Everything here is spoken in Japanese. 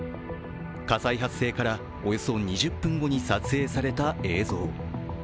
火災発生からおよそ２０分後に撮影された映像。